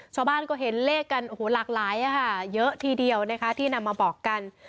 ชาวบ้านก็เห็นเลขกันโอ้โหหลากหลายเยอะทีเดียวนะคะที่นำมาบอกกัน